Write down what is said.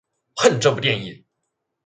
恨这部电影！